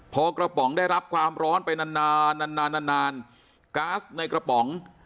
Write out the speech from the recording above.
พอกระป๋องได้รับความร้อนไปนานนานนานก๊าซในกระป๋อง